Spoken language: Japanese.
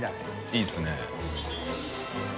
いいですね。